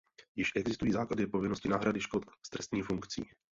Již existují základy povinnosti náhrady škod s trestní funkcí.